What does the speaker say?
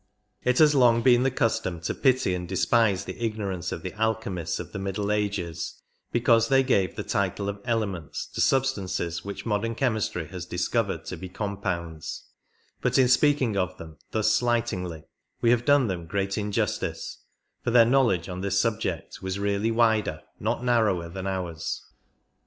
It has long been the custom to pity and despise the ignorance of the alchemists of the middle ages, because they gave the title of elements " to substances which modern chemistry has discovered to be compounds ; but in speaking of them thus slightingly we have done them great injustice, for their knowledge on this subject was really wider, not narrower, than ours.